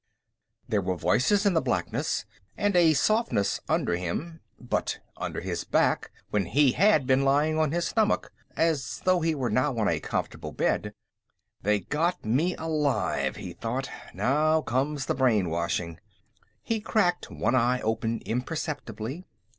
There were voices in the blackness, and a softness under him, but under his back, when he had been lying on his stomach, as though he were now on a comfortable bed. They got me alive, he thought; now comes the brainwashing! He cracked one eye open imperceptibly.